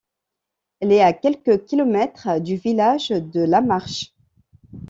Elle est à quelques kilomètres du village de Lamarche.